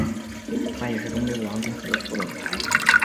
他也是东北保安公司的副总裁。